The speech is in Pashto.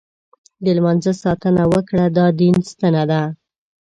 د لمانځه ساتنه وکړه، دا دین ستن ده.